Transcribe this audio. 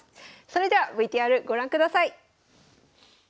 それではＶＴＲご覧ください。